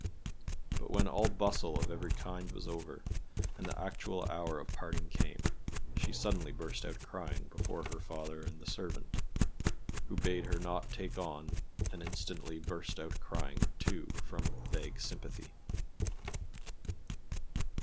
But when all bustle of every kind was over and the actual hour of parting came, she suddenly burst out crying before her father and the servant, who bade her not take on and instantly burst out crying too from vague sympathy.